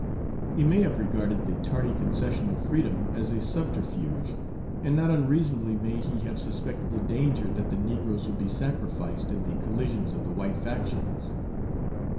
He may have regarded the tardy concession of freedom as a subterfuge, and not unreasonably may he have suspected the danger that the negroes would be sacrificed in the collisions of the white factions.